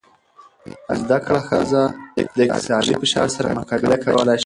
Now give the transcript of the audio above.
زده کړه ښځه د اقتصادي فشار سره مقابله کولی شي.